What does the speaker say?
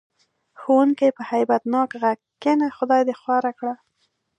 ښوونکي په هیبت ناک غږ: کېنه خدای دې خوار کړه.